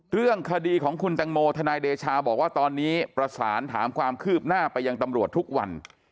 เรื่องคดีของคุณตังโมทนายเดชาบอกว่าตอนนี้ประสานถามความคืบหน้าไปยังตำรวจทุกวัน